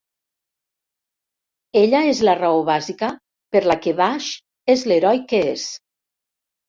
Ella és la raó bàsica per la que Vash és l"heroi que és.